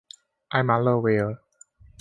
埃马勒维尔。